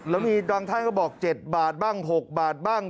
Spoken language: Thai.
แล้วมีบางท่านก็บอก๗บาทบ้าง๖บาทบ้าง